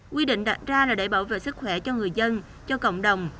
quy định đặt ra là để bảo vệ sức khỏe cho người dân cho cộng đồng